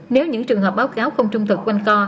nếu những trường hợp báo cáo không trung thực quanh co